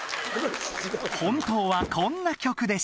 本当はこんな曲です